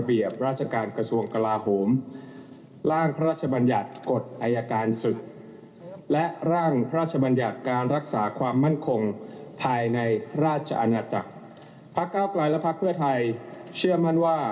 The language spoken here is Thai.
พักเก้ากลายและพักเพื่อไทยเชื่อมั่นว่า